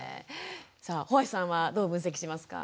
さあ帆足さんはどう分析しますか？